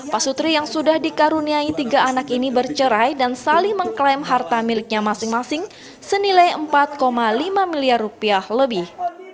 pasutri yang sudah dikaruniai tiga anak ini bercerai dan saling mengklaim harta miliknya masing masing senilai empat lima miliar rupiah lebih